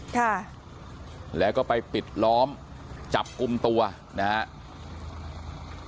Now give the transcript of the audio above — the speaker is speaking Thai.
ค่ะแล้วก็ไปปิดล้อมจับกลุ่มตัวนะฮะ